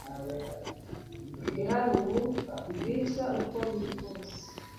Ndi hano ubu, Bwiza uko biri kose